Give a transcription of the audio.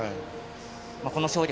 この勝利